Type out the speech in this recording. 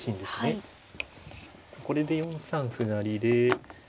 これで４三歩成で。